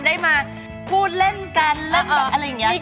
ได้มาพูดเล่นกันเรื่องแบบอะไรอย่างนี้ใช่ไหม